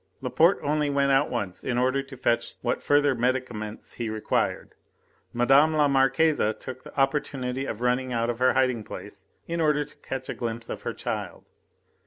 Laporte only went out once in order to fetch what further medicaments he required. Mme. la Marquise took the opportunity of running out of her hiding place in order to catch a glimpse of her child.